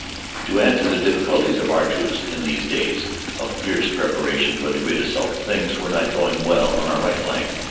To add to the difficulties of our troops in these days of fierce preparation for the great assault, things were not going well on our right flank.